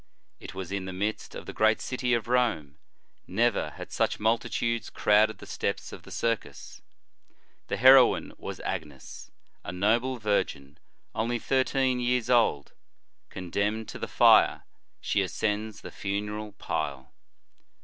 It was in the midst of the great city of Rome. Never had such multitudes crowded the steps of the circus. The heroine was Agnes, a noble virgin only thirteen years old. Con demned to the fire, she ascends the funeral pile.